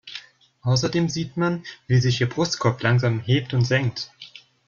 Außerdem sieht man, wie sich ihr Brustkorb langsam hebt und senkt.